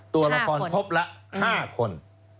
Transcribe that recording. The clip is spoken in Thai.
ตัวละครครบละ๕คน